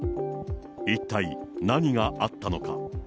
そのあと、一体何があったのか。